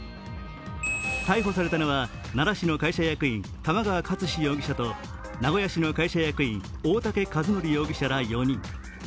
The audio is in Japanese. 逮捕されたのは、奈良市の会社役員玉川勝史容疑者と名古屋市の会社役員、大竹和範容疑者ら４人。